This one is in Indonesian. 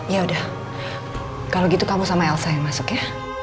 ya udah kalau gitu kamu sama elsa yang masuk ya